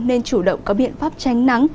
nên chủ động có biện pháp tránh nắng